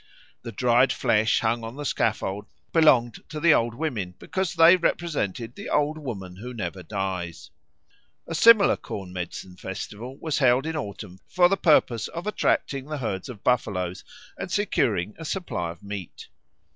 The dried flesh hung on the scaffold belonged to the old women, because they represented the Old Woman who Never Dies. A similar corn medicine festival was held in autumn for the purpose of attracting the herds of buffaloes and securing a supply of meat.